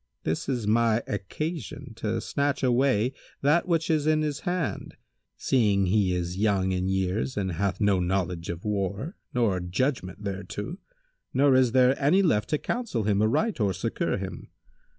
This is my occasion to snatch away that which is in his hand, seeing he is young in years and hath no knowledge of war nor judgment thereto, nor is there any left to counsel him aright or succour him.